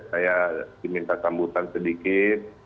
saya diminta sambutan sedikit